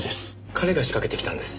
彼が仕掛けてきたんです。